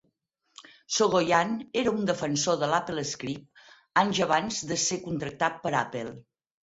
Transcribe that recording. Soghoian era un defensor de l'AppleScript anys abans de ser contractat per Apple.